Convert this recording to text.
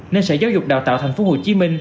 nên sở giáo dục đào tạo tp hcm